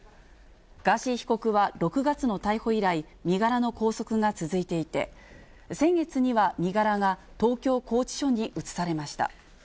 ガーシー被告は６月の逮捕以来、身柄の拘束が続いていて、先月には身柄が東京拘置所に移されました。